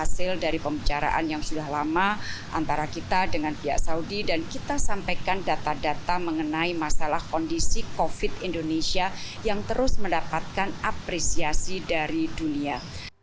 saya sampaikan data data mengenai masalah kondisi covid indonesia yang terus mendapatkan apresiasi dari dunia